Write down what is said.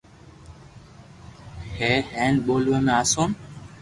ھي ھين ٻوليا ۾ آسون ھي